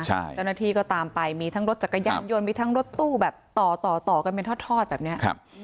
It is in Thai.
เจ้าหน้าที่ก็ตามไปมีทั้งรถจักรยานยนต์มีทั้งรถตู้แบบต่อต่อกันเป็นทอดแบบนี้